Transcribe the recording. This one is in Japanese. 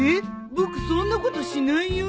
僕そんなことしないよ。